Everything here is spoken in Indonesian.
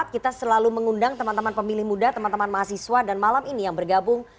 kita selalu mengundang teman teman pemilih muda teman teman mahasiswa dan malam ini yang bergabung